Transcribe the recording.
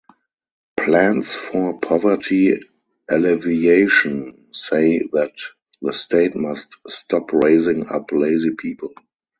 Plans for "poverty alleviation" say that the state must "stop raising up lazy people".